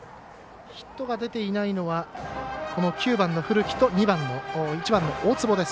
ヒットが出ていないのは９番の古木と１番の大坪です。